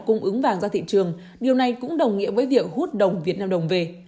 cung ứng vàng ra thị trường điều này cũng đồng nghĩa với việc hút đồng việt nam đồng về